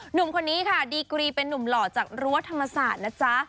หนุ่มคนนี้ค่ะดีกรีเป็นนุ่มหล่อจากรั้วธรรมศาสตร์นะจ๊ะ